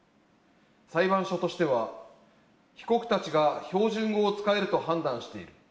裁判所としては、被告たちが標準語を使えると判断している。